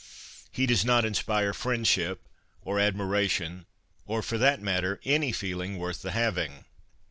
He does not inspire friendship, or admiration, or, for that matter, any feeling worth the having.